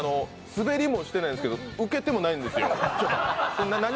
スベりもしてないですけど、ウケてもいないんですよ。